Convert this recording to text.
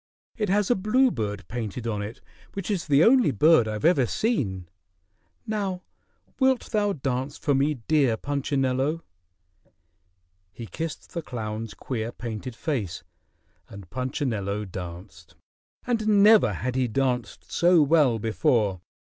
It has a bluebird painted on it which is the only bird I've ever seen. Now wilt thou dance for me, dear Punchinello?" He kissed the clown's queer painted face, and Punchinello danced. And never had he danced so well before.